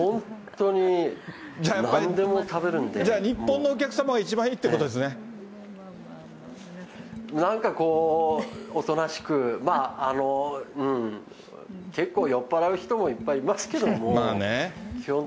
じゃあ、日本のお客様が一番なんかこう、おとなしく、まあ結構酔っ払う人もいっぱいいますけど。